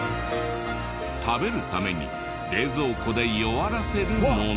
食べるために冷蔵庫で弱らせるもの。